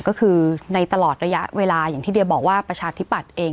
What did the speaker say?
ก็คือในตลอดระยะเวลาอย่างที่เดียบอกว่าประชาธิปัตย์เอง